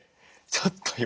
ちょっと今。